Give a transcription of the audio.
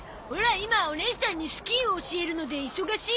今おねいさんにスキーを教えるので忙しいから。